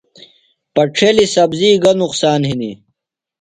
پڇھیلیۡ سبزی گہ نقصان ہِنیۡ؟